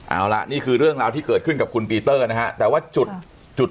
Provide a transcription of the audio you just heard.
เอาล่ะนี่คือเรื่องราวที่เกิดขึ้นกับคุณปีเตอร์นะฮะแต่ว่าจุดจุด